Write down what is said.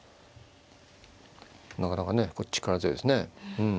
なかなかね力強いですねうん。